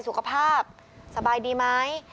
สุขภาพสบายดีไหม